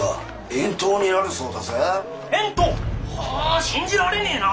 遠島？は信じられねえな。